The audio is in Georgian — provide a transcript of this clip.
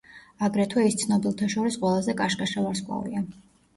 აგრეთვე ის ცნობილთა შორის ყველაზე კაშკაშა ვარსკვლავია.